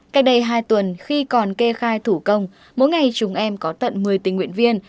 cách đây hai tuần khi còn kê khai thủ công mỗi ngày chúng em có tận một mươi tình nguyện viên